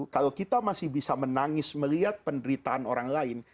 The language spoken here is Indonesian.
kalau kita masih bisa menangis melihat penderitaan orang lain